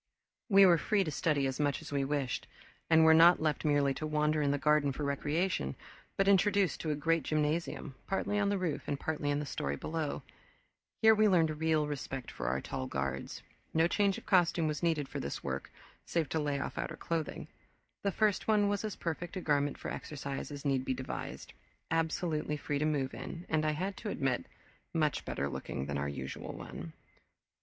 We were free to study as much as we wished, and were not left merely to wander in the garden for recreation but introduced to a great gymnasium, partly on the roof and partly in the story below. Here we learned real respect for our tall guards. No change of costume was needed for this work, save to lay off outer clothing. The first one was as perfect a garment for exercise as need be devised, absolutely free to move in, and, I had to admit, much better looking than our usual one.